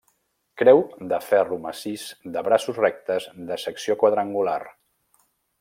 Creu de ferro massís de braços rectes de secció quadrangular.